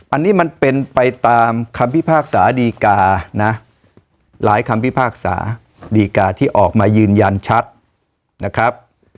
อันนี้มันเป็นไปตามคำพิพากษาดีกานะหลายคำพิพากษาดีกาที่ออกมายืนยันชัดนะครับ